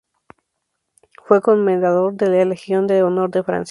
Fue Comendador de la Legión de Honor de Francia